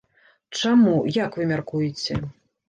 Чаму, як вы мяркуеце?